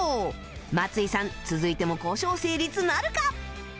松井さん続いても交渉成立なるか？